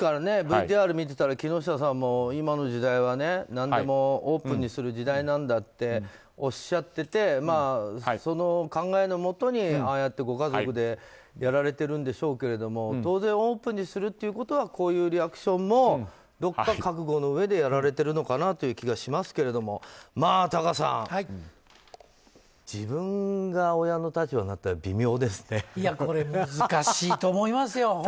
ＶＴＲ見てたら木下さんも今の時代は何でもオープンにする時代なんだっておっしゃっていてその考えのもとにああやって、ご家族でやられてるんでしょうけど当然オープンにするということはこういうリアクションもどこか覚悟の上でやられているのかなという気がしますけどタカさん自分が親の立場だったら難しいと思いますよ。